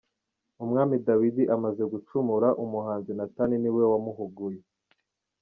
Umwami Dawidi amaze gucumura, umuhanuzi Natani ni we wamuhuguye.